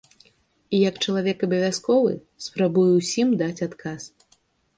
І як чалавек абавязковы, спрабуе ўсім даць адказ.